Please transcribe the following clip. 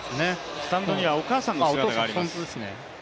スタンドにはお母さんの姿もあります。